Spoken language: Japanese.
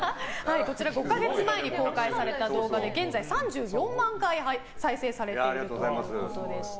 こちら、５か月前に公開された動画で現在３４万回再生されているということです。